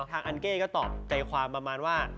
อันเก้ก็ตอบใจความประมาณว่า